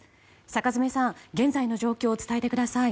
坂詰さん現在の状況を伝えてください。